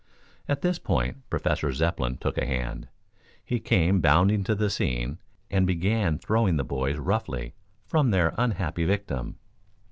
At this point Professor Zepplin took a hand. He came bounding to the scene and began throwing the boys roughly from their unhappy victim.